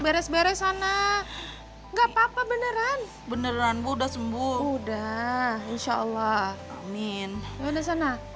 beres beres sana enggak papa beneran beneran udah sembuh udah insyaallah amin ya udah sana